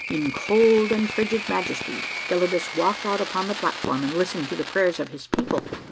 In cold and frigid majesty, Gelidus walked out upon the plat form and listened to the prayers of his people.